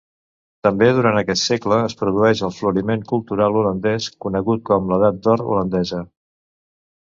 També durant aquest segle es produeix el floriment cultural holandès, conegut com l'Edat d'Or holandesa.